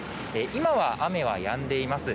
今は雨はやんでいます。